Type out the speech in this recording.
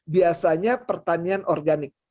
biasanya pertanian organik